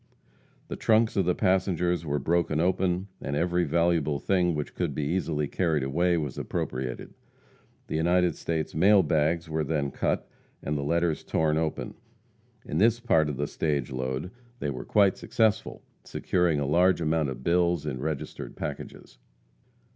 The trunks of the passengers were broken open, and every valuable thing which could be easily carried away was appropriated. The United States mail bags were then cut and the letters torn open. In this part of the stage load they were quite successful, securing a large amount of bills in registered packages.